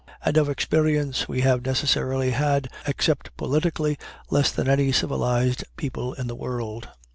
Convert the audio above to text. And of experience we have necessarily had, except politically, less than any civilized people in the world.